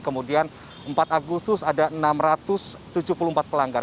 kemudian empat agustus ada enam ratus tujuh puluh empat pelanggar